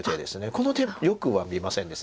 この手よくは見ませんです。